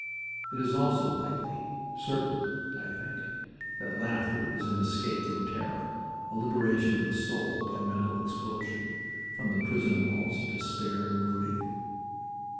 It is also likely certain, I think that laughter is an escape from terror, a liberation of the soul by mental explosion, from the prison walls of despair and brooding.